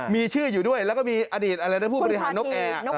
มีชื่ออยู่ด้วยแล้วก็มีอดีตอะไรนะผู้บริหารนกแอร์